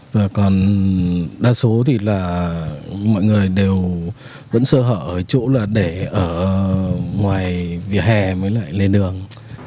và còn đa số thì là mọi người đều vẫn sơ hở ở chỗ là để ở ngoài vỉa hè mới lại lề đường